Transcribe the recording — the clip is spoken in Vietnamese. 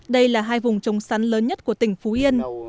đây là hai vùng trồng sắn lớn nhất của tỉnh phú yên